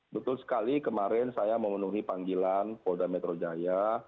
betul sekali kemarin saya memenuhi panggilan polda metro jaya